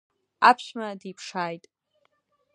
Аԥшәма диԥшааит.